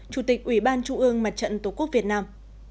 chủ tịch ủy ban trung ương mặt trận tổ quốc việt nam